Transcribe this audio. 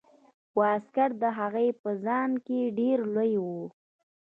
واسکټ د هغه په ځان کې ډیر لوی و.